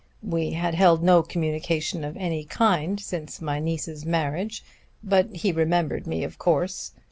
We had held no communication of any kind since my niece's marriage, but he remembered me, of course.